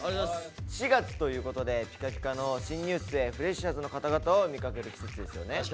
４月ということでピカピカの新入生フレッシャーズの方々を見かける季節ですよね。